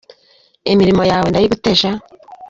Imirimo yawe ndayigutesha